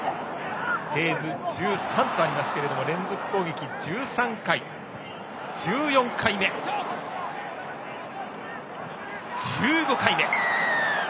フェーズ１３とありますが連続攻撃１３回、１４回目そして１５回目。